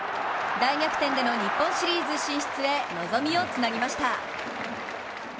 大逆転での日本シリーズ進出へ望みをつなぎました。